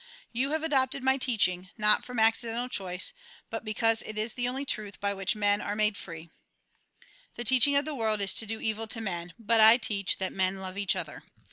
You have adopted my teaching, not from accidental choice, but because it is the only truth by which men are made free. " The teaching of the world is to do evil to men ; but I teach that men love each other.